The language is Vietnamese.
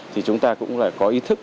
thì chúng ta cũng là có ý thức